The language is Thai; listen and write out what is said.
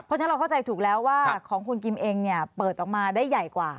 เพราะฉะนั้นเราเข้าใจถูกแล้วว่าของคุณกิมเองเนี่ยเปิดออกมาได้ใหญ่กว่า